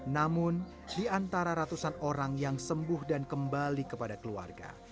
namun di antara ratusan orang yang sembuh dan kembali kepada keluarga